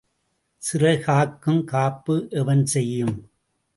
சிறைகாக்கும் காப்பு எவன் செயும்?